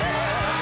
あ。